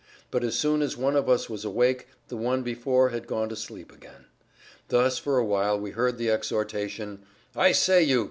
But as soon as one of us was awake the one before had gone to sleep again. Thus for a while we heard the exhortation, "I say, you!